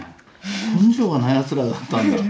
根性がないやつらだったんだ。